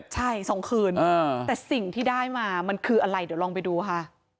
ใช่๒คืนแต่สิ่งที่ได้มามันคืออะไรเดี๋ยวลองไปดูค่ะ